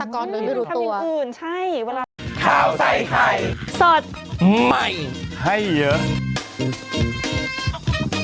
ฆาตกรเลยไม่รู้ตัว